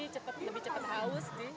jadi lebih cepat haus